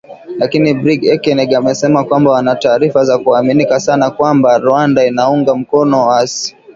Lakini Brig Ekenge amesema kwamba wana taarifa za kuaminika sana kwamba Rwanda inaunga mkono waasi.